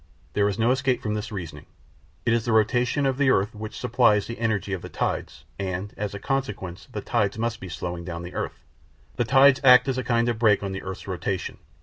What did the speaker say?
There is no escape from this reasoning. It is the rotation of the earth which supplies the energy of the tides, and, as a consequence, the tides must be slowing down the earth. The tides act as a kind of brake on the earth's rotation.